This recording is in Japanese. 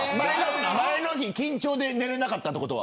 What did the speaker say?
前の日緊張で寝れなかったことは。